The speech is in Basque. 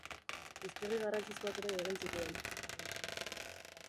Hiztegi garrantzizkoak ere egin zituen.